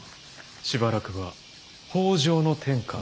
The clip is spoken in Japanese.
しばらくは北条の天下。